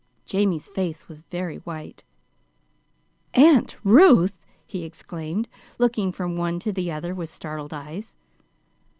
Jamie's face was very white. "AUNT RUTH!" he exclaimed, looking from one to the other with startled eyes.